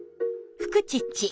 「フクチッチ」